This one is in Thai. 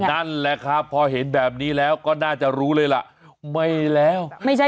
นั่นแหละครับพอเห็นแบบนี้แล้วก็น่าจะรู้เลยล่ะไม่แล้ว